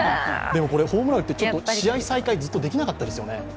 でも、ホームラン打って、試合再開ずっとできなかったですよね。